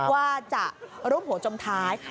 ว่าจะร่วมหัวจมท้าย